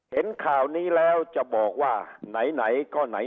เห็นข่าวนี้แล้วจะบอกว่าไหนก็ไหน